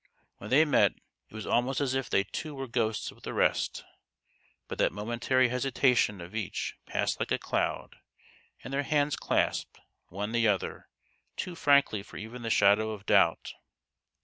When they met it was almost as if they too were ghosts with the rest ; but that momentary hesitation of each passed like a cloud, and their hands clasped, one the other, too frankly for even the shadow of doubt.